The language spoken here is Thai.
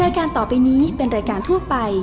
รายการต่อไปนี้เป็นรายการทั่วไป